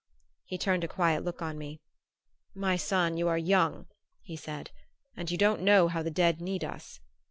He turned a quiet look on me. "My son, you are young," he said, "and you don't know how the dead need us."